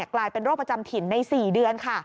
กลายเป็นโรคประจำถิ่นใน๔เดือนค่ะ